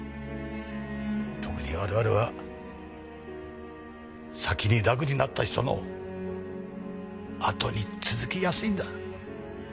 特に我々は先に楽になった人のあとに続きやすいんだ。